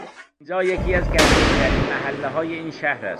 اینجا یکی از قدیمیترین محلههای این شهر است